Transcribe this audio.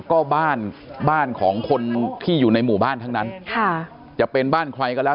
ก็บ้านบ้านของคนที่อยู่ในหมู่บ้านทั้งนั้นค่ะจะเป็นบ้านใครก็แล้ว